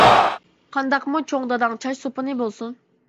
قانداقمۇ چوڭ داداڭ چاچ سوپۇنى بولسۇن.